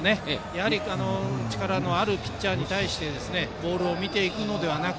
やはり力のあるピッチャーに対してボールを見ていくのではなく